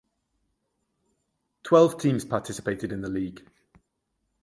Twelve teams participated in the league.